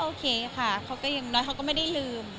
โอเคค่ะเขาก็อย่างน้อยเขาก็ไม่ได้ลืม